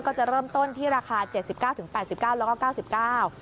ก็จะเริ่มต้นที่ราคาเจ็ดสิบเก้าถึงแปดสิบเก้าแล้วก็เก้าสิบเก้า